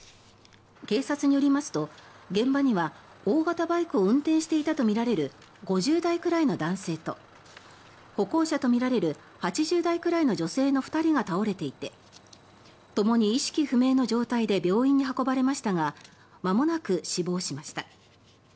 警察によりますと現場には、大型バイクを運転していたとみられる５０代くらいの男性と歩行者とみられる８０代くらいとみられる女性の２人が倒れていてともに意識不明の状態で病院に運ばれましたがまもなく死亡しました。